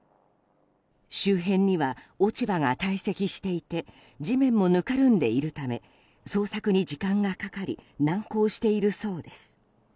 周辺には、落ち葉が堆積していて地面もぬかるんでいるため捜索に時間がかかり難航しているようです。